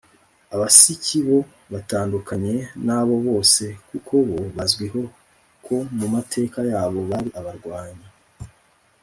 abasiki bo batandukanye n’abo bose kuko bo bazwiho ko mu mateka yabo bari abarwanyi